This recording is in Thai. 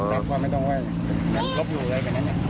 รับความไม่ต้องไหว่เหมือนลบอยู่เลยแบบนั้น